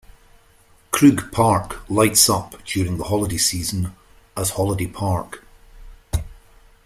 Krug Park "lights up" during the holiday season as Holiday Park.